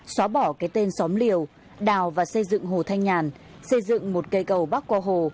xóa bỏ cái tên xóm liều đào và xây dựng hồ thanh nhàn xây dựng một cây cầu bắc qua hồ